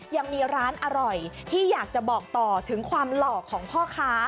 ยังมีร้านอร่อยที่อยากจะบอกต่อถึงความหล่อของพ่อค้า